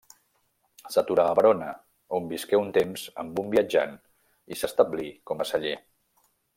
S'aturà a Verona, on visqué un temps amb un viatjant i s'establí com a seller.